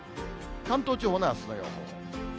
関東地方のあすの予報。